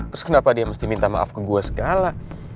terus kenapa dia mesti minta maaf ke gue segala